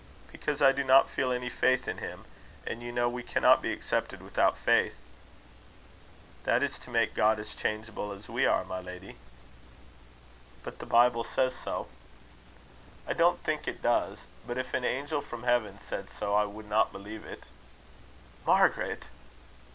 "Because I do not feel any faith in him; and you know we cannot be accepted without faith." "That is to make God as changeable as we are, my lady." "But the Bible says so." "I don't think it does; but if an angel from heaven said so, I would not believe it." "Margaret!"